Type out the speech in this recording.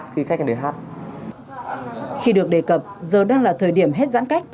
khi được đề cập giờ đang là thời điểm hết giãn cách